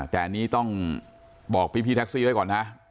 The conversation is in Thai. แต่อันนี้ต้องบอกพี่แท็กซี่ไว้ก่อนนะ